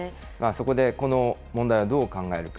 そこでこの問題をどう考えるか。